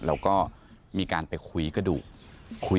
เราก็มีการไปคุยกระดูก